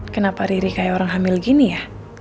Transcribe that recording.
kenapa riri kayak orang hamil gini ya